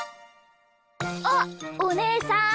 あっおねえさん。